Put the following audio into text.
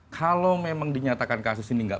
kalau memang dinyatakan kasus ini tidak